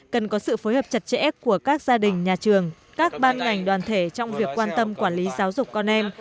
cần có sự phối hợp chặt chẽ của các gia đình nhà trường các ban ngành đoàn thể trong việc quan tâm quản lý giáo dục con em